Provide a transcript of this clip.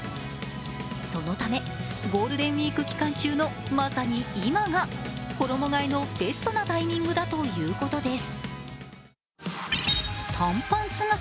そのためゴールデンウイーク期間中のまさに今が衣がえのベストなタイミングだということです。